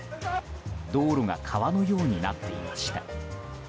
道路が川のようになっていました。